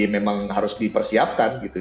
memang harus dipersiapkan gitu